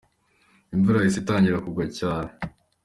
Imvura yahise itangira kugwa cyane.